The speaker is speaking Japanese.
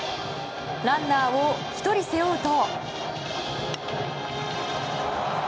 ランナーを１人背負うと。